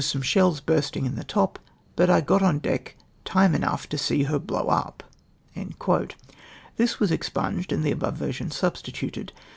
some shells bursting in the top, l)ut I got on deck time enough to see her blow up !" This was expunged, and the above version substituted.